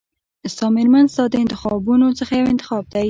ستا مېرمن ستا د انتخابونو څخه یو انتخاب دی.